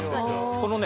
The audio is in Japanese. このね